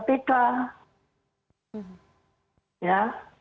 beri saya nih